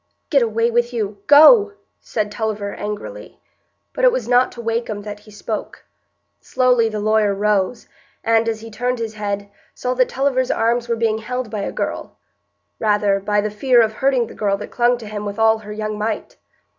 "Get away with you—go!" said Tulliver, angrily. But it was not to Wakem that he spoke. Slowly the lawyer rose, and, as he turned his head, saw that Tulliver's arms were being held by a girl, rather by the fear of hurting the girl that clung to him with all her young might.